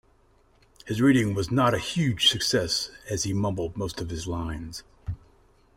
His reading was not a huge success as he mumbled most of his lines.